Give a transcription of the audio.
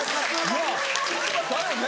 だよね。